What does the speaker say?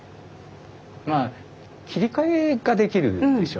まあ切り替えができるでしょ。